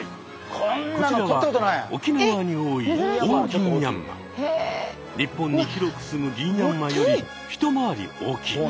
こちらは沖縄に多い日本に広くすむギンヤンマより一回り大きい。